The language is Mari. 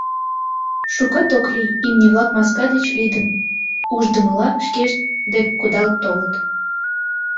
Шукат ок лий, имне-влак, маска деч лӱдын, ушдымыла шкешт дек кудал толыт.